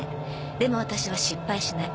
でもワタシは失敗しない。